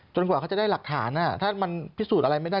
กว่าเขาจะได้หลักฐานถ้ามันพิสูจน์อะไรไม่ได้